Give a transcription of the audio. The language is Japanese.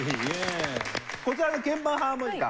こちらの鍵盤ハーモニカ